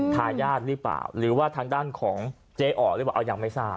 ทายาทหรือเปล่าหรือว่าทางด้านของเจ๊อ๋อหรือเปล่าเอายังไม่ทราบ